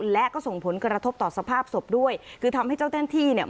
และก็ส่งผลกระทบต่อสภาพศพด้วยคือทำให้เจ้าหน้าที่เนี่ย